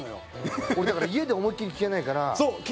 俺だから家で思いっきり聴けないから。